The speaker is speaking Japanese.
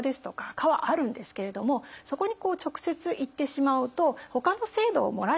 課はあるんですけれどもそこに直接行ってしまうとほかの制度を漏らしてしまう可能性があるんですね。